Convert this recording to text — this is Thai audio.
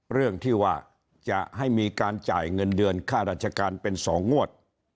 เรื่องที่ว่าจะให้มีการจ่ายเงินเดือนค่าราชการเป็น๒งวด